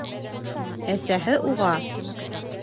Әсәһе уға: